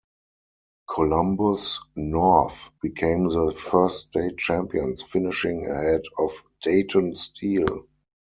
Columbus North became the first state champions, finishing ahead of Dayton Steele.